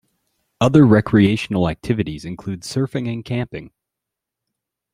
Other recreational activities include surfing and camping.